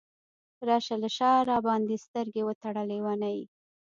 راشه له شاه راباندې سترګې وتړه لیونۍ !